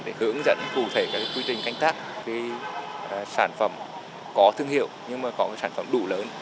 để hướng dẫn cụ thể các quy trình canh tác sản phẩm có thương hiệu nhưng mà có sản phẩm đủ lớn